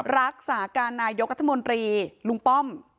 รักษาการนายกรัฐมนตรีลุงป้อม